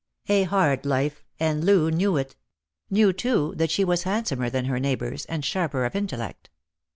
A hard life, and Loo knew it — knew, too, that she was hand somer than her neighbours, and sharper of intellect.